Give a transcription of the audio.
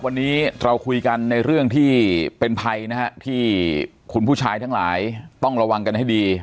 วันนี้เราคุยกันในเรื่องที่เป็นภัยนะฮะที่คุณผู้ชายทั้งหลายต้องระวังกันให้ดี